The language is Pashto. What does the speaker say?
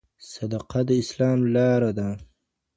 صدقه د اسلام لاره ده.